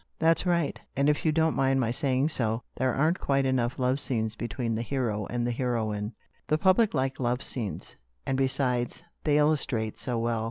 " That's right. And if you don't mind my saying so, there aren't quite enough love scenes between the hero and the heroine. The public like love scenes, and besides they illustrate so well."